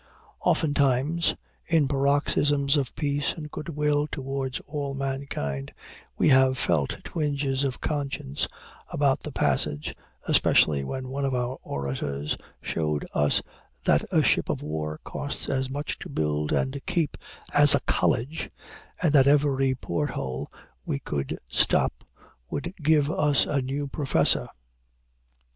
Oftentimes, in paroxysms of peace and good will towards all mankind, we have felt twinges of conscience about the passage, especially when one of our orators showed us that a ship of war costs as much to build and keep as a college, and that every port hole we could stop would give us a new professor.